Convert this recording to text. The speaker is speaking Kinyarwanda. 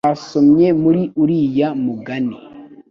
Basomye muri uriya mugani